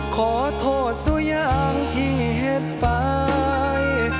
ขอโทษสักอย่างที่เห็นไป